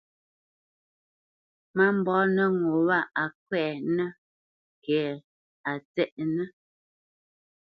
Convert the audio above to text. Má mbanǝ ŋó wá á nkwɛʼnɛ kɛ́ á ntsɛʼnǝ.